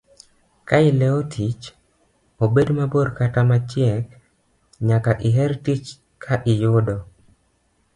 Kaileo tich, obed mabor kata machiek, nyaka iher tich ka iyude.